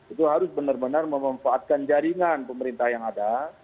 itu harus benar benar memanfaatkan jaringan pemerintah yang ada